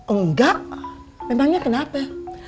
enggak memangnya kenapa